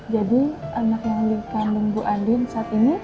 jadi anak yang dikandung bu andi saat ini